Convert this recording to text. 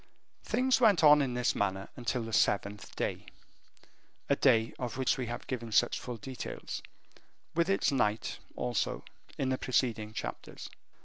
Things went on in this manner until the seventh day, a day of which we have given such full details, with its night also, in the preceding chapters.